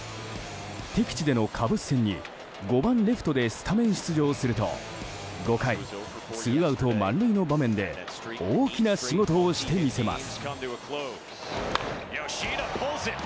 敵地でのカブス戦に５番レフトでスタメン出場すると５回、ツーアウト満塁の場面で大きな仕事をしてみせます。